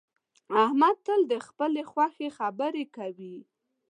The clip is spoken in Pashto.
احمد تل د خپلې خوښې خبرې کوي